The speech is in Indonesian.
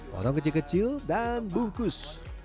potong kecil kecil dan bungkus